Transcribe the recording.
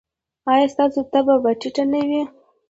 ایا ستاسو تبه به ټیټه نه وي؟